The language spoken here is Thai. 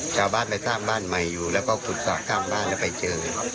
ชาวบ้านไปสร้างบ้านใหม่อยู่แล้วก็ขุดสอบข้างบ้านแล้วไปเจอ